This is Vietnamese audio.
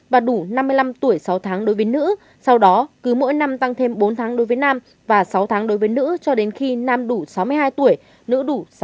và đủ năm mươi năm tuổi sáu tháng đối với nữ